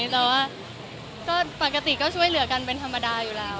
แต่ว่าก็ปกติก็ช่วยเหลือกันเป็นธรรมดาอยู่แล้ว